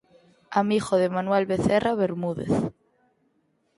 Amigo de Manuel Becerra Bermúdez.